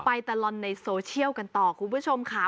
ตลอดในโซเชียลกันต่อคุณผู้ชมค่ะ